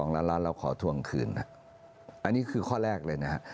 ล้านล้านเราขอทวงคืนนะอันนี้คือข้อแรกเลยนะฮะ